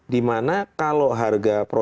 dimana kalau harga